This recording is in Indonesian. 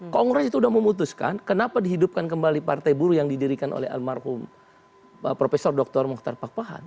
kongres itu sudah memutuskan kenapa dihidupkan kembali partai buruh yang didirikan oleh almarhum prof dr mokhtar pakpahan